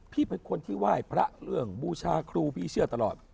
เป็นคนที่ไหว้พระเรื่องบูชาครูพี่เชื่อตลอด